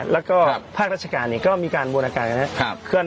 แล้วก็ภาคราชการก็มีการบูรณาการนะครับ